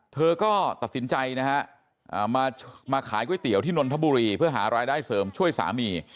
เธอก็ตัดสินใจนะฮะมาขายก๋วยเตี๋ยวที่นนทบุรีเพื่อหารายได้เสริมช่วยสามี